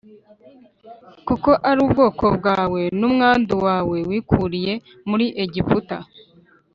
kuko ari ubwoko bwawe n’umwandu wawe wikuriye muri Egiputa